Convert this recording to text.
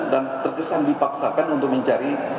dan terkesan dipaksakan untuk mencari